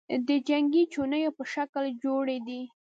د جنگې چوڼیو په شکل جوړي دي،